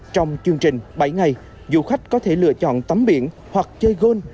trong chương trình bảy ngày du khách có thể lựa chọn tắm biển hoặc chơi gôn